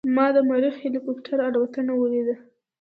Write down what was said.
ما د مریخ هلیکوپټر الوتنه ولیدله.